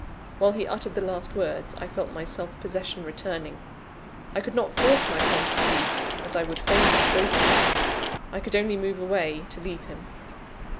While he uttered the last words, I felt my self possession returning. I could not force myself to speak, as I would fain have spoken I could only move away, to leave him.